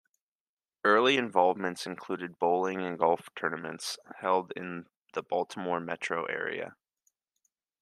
Early involvements included bowling and golf tournaments held in the Baltimore metro area.